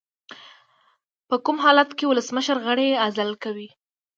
په کوم حالت کې ولسمشر غړی عزل کوي؟